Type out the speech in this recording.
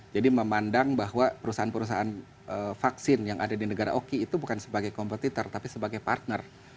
jadi memandang bahwa perusahaan perusahaan vaksin yang ada di negara oki itu bukan sebagai kompetitor tapi sebagai partner